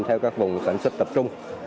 theo các vùng sản xuất tập trung